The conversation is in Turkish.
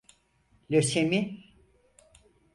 Lösemi…